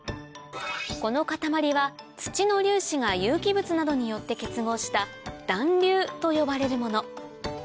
この塊は土の粒子が有機物などによって結合した団粒と呼ばれるもの